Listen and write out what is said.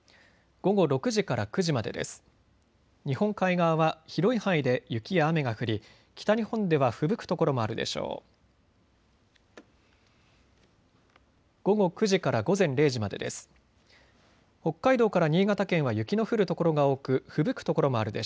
午後９時から午前０時までです。